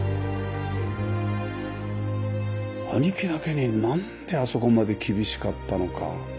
兄貴だけに何であそこまで厳しかったのか？